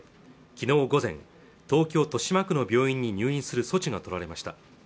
昨日午前東京豊島区の病院に入院する措置が取られました